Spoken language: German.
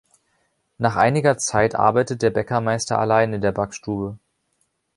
Nach einiger Zeit arbeitet der Bäckermeister allein in der Backstube.